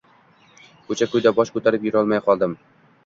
Ko‘cha-ko‘yda bosh ko‘tarib yurolmay qoldim.